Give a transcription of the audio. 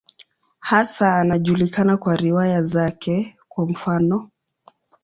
Hasa anajulikana kwa riwaya zake, kwa mfano.